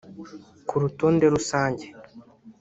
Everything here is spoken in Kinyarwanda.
Ku rutonde rusange